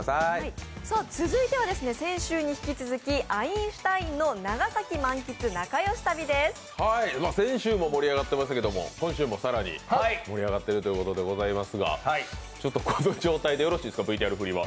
続いては先週に引き続き、「アインシュタインの長崎満喫なかよし旅」先週も盛り上がってましたけども、今週も更に盛り上がってるということですがこの状態でよろしいですか、ＶＴＲ振りは？